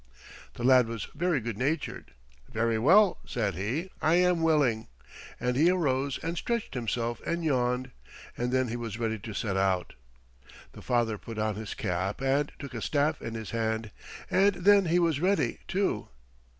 The lad was very good natured. "Very well," said he, "I am willing"; and he arose and stretched himself and yawned, and then he was ready to set out. The father put on his cap and took a staff in his hand, and then he was ready, too.